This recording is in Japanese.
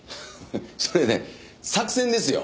それね作戦ですよ。